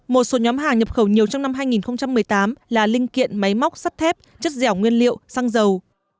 một số nhóm hàng nhập khẩu nhiều trong năm hai nghìn một mươi tám là linh kiện máy móc sắt thép chất dẻo nguyên liệu xăng dầu